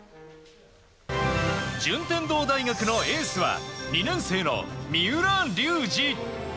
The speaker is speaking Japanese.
順天堂大学のエースは２年生の三浦龍司。